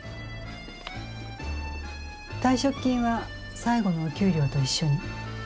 退職金は最後のお給料と一緒に。